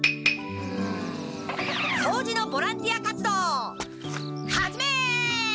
そうじのボランティア活動始め！